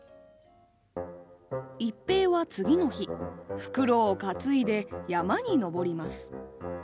一平は次の日袋を担いで山に登ります。